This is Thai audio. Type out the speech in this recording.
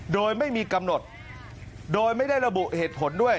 โดยไม่มีกำหนดโดยไม่ได้ระบุเหตุผลด้วย